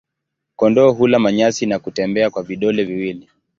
Kondoo hula manyasi na kutembea kwa vidole viwili.